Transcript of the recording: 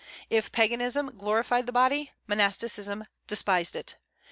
If Paganism glorified the body, monasticism despised it.